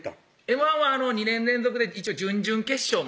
Ｍ−１は２年連続で一応準々決